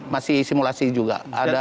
masih simulasi juga